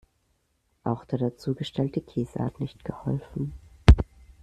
Auch der dazugestellte Käse hat nicht geholfen.